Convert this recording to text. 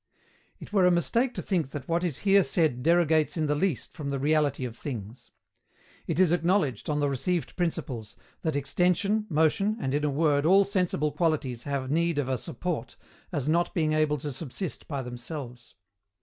It were a mistake to think that what is here said derogates in the least from the reality of things. It is acknowledged, on the received principles, that extension, motion, and in a word all sensible qualities have need of a support, as not being able to subsist by themselves.